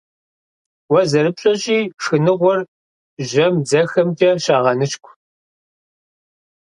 Уэ зэрыпщӀэщи, шхыныгъуэр жьэм дзэхэмкӀэ щагъэныщкӀу.